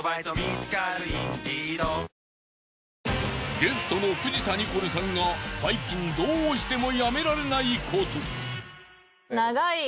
ゲストの藤田ニコルさんが最近どうしてもやめられない事。